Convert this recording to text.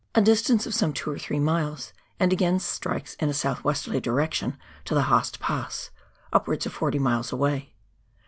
a distance of some two or three miles, and again strikes in a south westerly direction to the Haast Pass, upwards of 40 miles away.